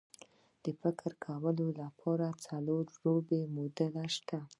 د فکر کولو لپاره څلور ربعي موډل شته.